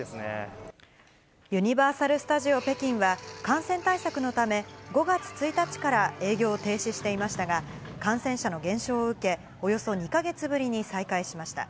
ユニバーサル・スタジオ北京は感染対策のため、５月１日から営業を停止していましたが、感染者の減少を受け、およそ２か月ぶりに再開しました。